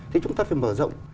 thì chúng ta phải mở rộng